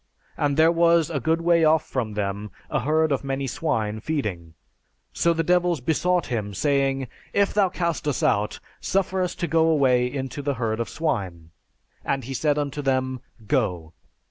And there was a good way off from them a herd of many swine feeding. So the devils besought him, saying, 'If thou cast us out, suffer us to go away into the herd of swine. And he said unto them, 'Go!'